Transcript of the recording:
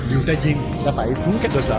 nhiều trai viên đã phải xuống các cơ sở